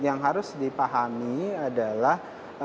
yang harus dipahami adalah